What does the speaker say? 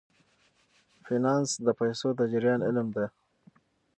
فینانس د پیسو د جریان علم دی.